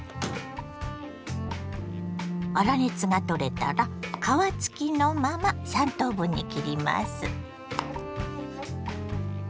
粗熱が取れたら皮付きのまま３等分に切ります。